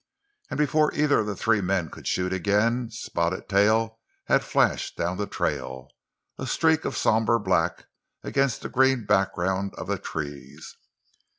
And before either of the three men could shoot again, Spotted Tail had flashed down the trail—a streak of somber black against the green background of the trees.